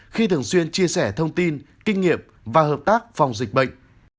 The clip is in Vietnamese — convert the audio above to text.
khi thường xuyên chia sẻ thông tin kinh nghiệm và hợp tác phòng dịch bệnh